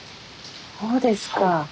そうですか。